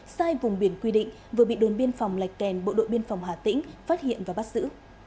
sai vùng biển quy định vừa bị đồn biên phòng lạch kèn bộ đội biên phòng hà tĩnh phát hiện và bắt giữ